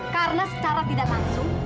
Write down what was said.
karena secara tidak langsung